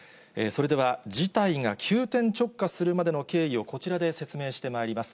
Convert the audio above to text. それでは、事態が急転直下するまでの経緯をこちらで説明してまいります。